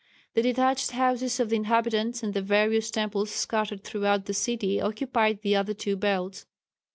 The detached houses of the inhabitants and the various temples scattered throughout the city occupied the other two belts.